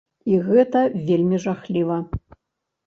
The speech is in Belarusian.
І гэта вельмі жахліва!